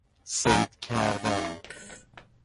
صید کردن